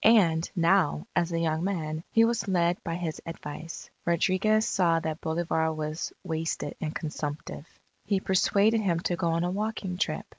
And, now, as a young man, he was led by his advice. Rodriguez saw that Bolivar was wasted and consumptive. He persuaded him to go on a walking trip.